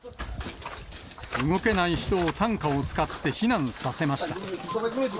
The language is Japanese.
動けない人を、担架を使って避難させました。